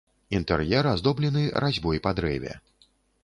Інтэр'ер аздоблены разьбой па дрэве.